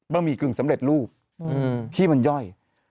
หมี่กึ่งสำเร็จรูปที่มันย่อย